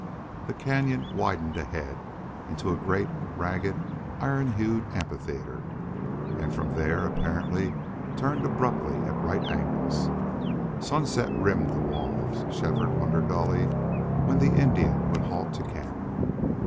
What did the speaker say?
The cañon widened ahead into a great, ragged, iron hued amphitheater, and from there apparently turned abruptly at right angles. Sunset rimmed the walls. Shefford wondered dully when the Indian would halt to camp.